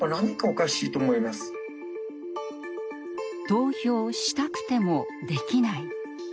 投票したくても、できない。